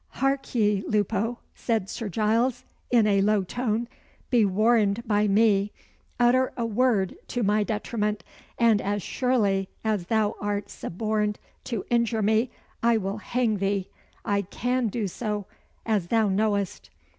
"Hark ye, Lupo," said Sir Giles, in a low tone. "Be warned by me. Utter a word to my detriment, and as surely as thou art suborned to injure me, I will hang thee. I can do so, as thou knowest!"